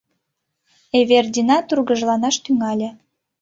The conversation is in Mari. Эвердина тургыжланаш тӱҥале.